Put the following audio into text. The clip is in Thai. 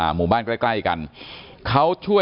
ที่มีข่าวเรื่องน้องหายตัว